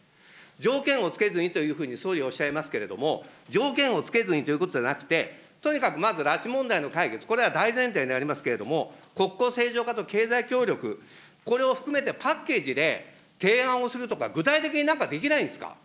条件を付けずにというふうに総理はおっしゃいますけれども、条件を付けずにということではなくて、とにかくまず拉致問題の解決、これは大前提になりますけれども、国交正常化と経済協力、これを含めてパッケージで、提案をするとか、具体的に何かできないんですか。